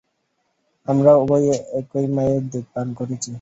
আমরা উভয়ই একই মায়ের দুধ পান করেছি।